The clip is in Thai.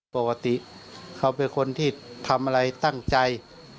ปกติเขาเป็นคนที่ทำอะไรตั้งใจ